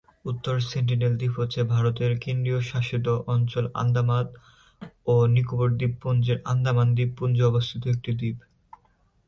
উত্তর সেন্টিনেল দ্বীপ হচ্ছে ভারতের কেন্দ্রশাসিত অঞ্চল আন্দামান ও নিকোবর দ্বীপপুঞ্জের আন্দামান দ্বীপপুঞ্জে অবস্থিত একটি দ্বীপ।